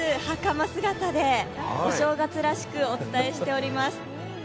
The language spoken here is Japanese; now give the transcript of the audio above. はかま姿でお正月らしくお伝えしております。